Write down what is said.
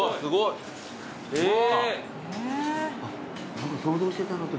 何か想像してたのと。